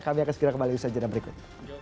kami akan segera kembali di sejenak berikut